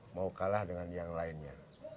mau kalah dengan yang lainnya